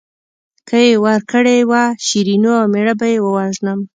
که یې ورکړې وه شیرینو او مېړه به یې ووژنم.